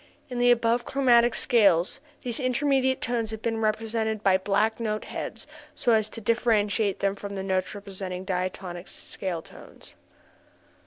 In the above chromatic scales these intermediate tones have been represented by black note heads so as to differentiate them from the notes representing diatonic scale tones.